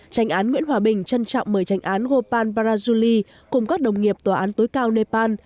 tranh án nguyễn hòa bình trân trọng mời tranh án gopal parajuli cùng các đồng nghiệp tòa án tối cao nepal